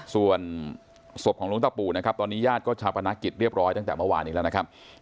ส่วนศพของหลวงตาปู่นะครับตอนนี้ญาติก็ชาปนกิจเรียบร้อยตั้งแต่เมื่อวานนี้แล้วนะครับ